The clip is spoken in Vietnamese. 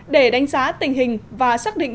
để đánh giá tình hình và xác định